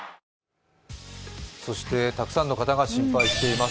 そしてたくさんの方が心配をしています。